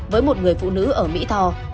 với một người phụ nữ ở mỹ thò